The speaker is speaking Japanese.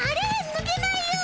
ぬけないよ。